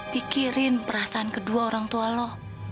pikirin perasaan kedua orang tua lo